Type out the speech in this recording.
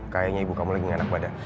kayaknya ibu kamu lagi nganak badan